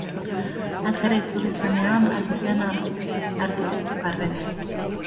Aljer-era itzuli zenean hasi zuen arkitekto karrera.